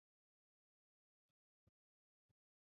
Tutafuteni nanma ya ku uza ma mpango ya mashamba